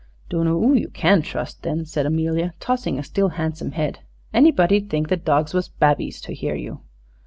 "Dunno oo you can trust then," said Amelia, tossing a still handsome head. "Anybody 'ud think the dogs was babbies, to hear you."